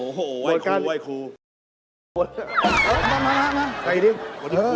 โอ้โหไอ้ครูไอ้ครู